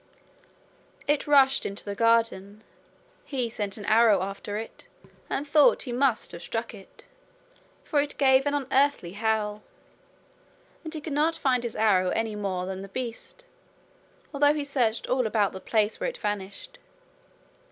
It rushed into the garden. He sent an arrow after it, and thought he must have struck it; for it gave an unearthly howl, and he could not find his arrow any more than the beast, although he searched all about the place where it vanished.